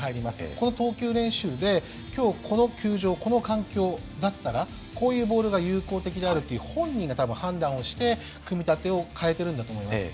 この投球練習で今日この球場この環境だったらこういうボールが有効的であるという本人が多分判断をして組み立てを変えてるんだと思います。